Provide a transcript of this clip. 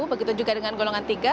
begitu juga dengan golongan tiga